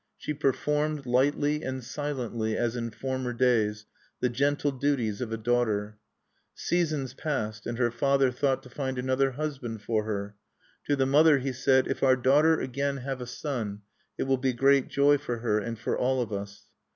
She performed, lightly and silently, as in former days, the gentle duties of a daughter. Seasons passed; and her father thought to find another husband for her. To the mother, he said: "If our daughter again have a son, it will be great joy for her, and for all of us."